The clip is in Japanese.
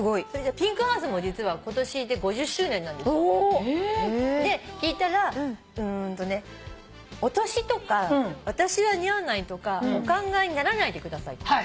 ＰＩＮＫＨＯＵＳＥも実は今年で５０周年なんですよ。で聞いたらお年とか私は似合わないとかお考えにならないでくださいと。